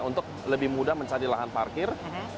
untuk lebih mudah mencari lahan parkir